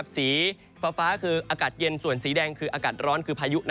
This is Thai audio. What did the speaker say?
สีฟ้าคืออากาศเย็นส่วนสีแดงคืออากาศร้อนคือพายุ